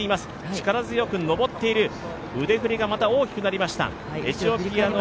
力強く上っている腕振りがまた強くなりました。